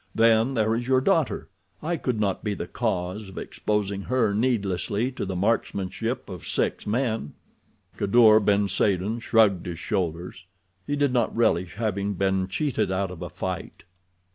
Then there is your daughter—I could not be the cause of exposing her needlessly to the marksmanship of six men." Kadour ben Saden shrugged his shoulders. He did not relish having been cheated out of a fight.